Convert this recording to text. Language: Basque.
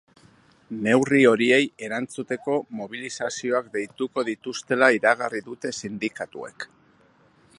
Neurri horiei erantzuteko mobilizazioak deituko dituztela iragarri dute sindikatuek.